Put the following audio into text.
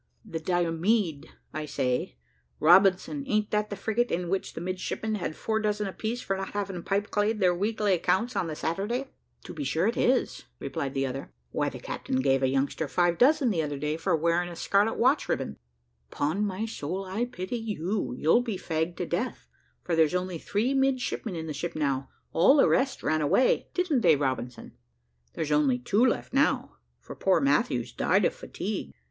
"The Diomede I say, Robinson, a'n't that the frigate in which the midshipmen had four dozen apiece for not having pipe clayed their weekly accounts on the Saturday?" "To be sure it is," replied the other; "why the captain gave a youngster five dozen the other day for wearing a scarlet watch riband." "'Pon my soul I pity you: you'll be fagged to death; for there's only three midshipmen in the ship now all the rest ran away. Didn't they, Robinson?" "There's only two left now: for poor Matthews died of fatigue.